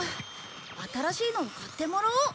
新しいのを買ってもらおう。